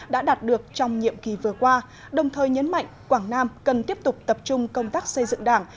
đã đạt được trong nhiệm kỳ vừa qua đồng thời nhấn mạnh quảng nam cần tiếp tục tập trung công tác xây dựng đảng